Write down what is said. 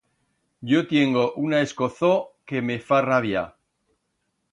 Yo tiengo una escozor que me fa rabiar.